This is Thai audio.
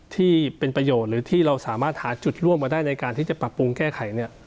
ที่เป็นประโยชน์หรือที่เราสามารถหาจุดร่วมมาได้ในการที่จะปรับปรุงแก้ไข